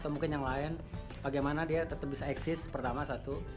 mungkin yang lain bagaimana dia tetap bisa eksis pertama satu